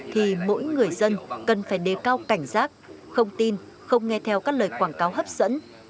thì mỗi người dân cần phải đề cao cảnh giác không tin không nghe theo các lời quảng cáo hấp dẫn